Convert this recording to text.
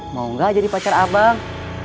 mau gak jadi pacar abang